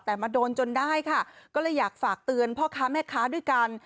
แต่มาโดนจนได้ค่ะก็เลยอยากฝากเตือนพ่อค้าแม่ค้าด้วยกัน